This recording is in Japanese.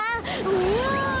うわ。